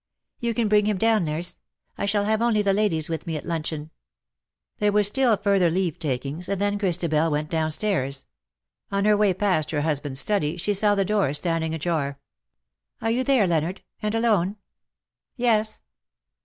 " You can bring him down, nurse. I shall have only the ladies with me at luncheon." There were still further leave takings, and then Christabel went downstairs. On her way past her husband^s study she saw the door standing ajar. " Are you there, Leonard, and alone?" '' Yes."